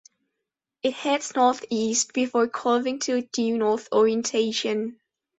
It heads northeast, before curving to a due-north orientation.